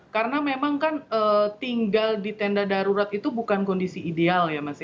karena memang kan tinggal di tenda darurat itu bukan kondisi ideal ya mas ya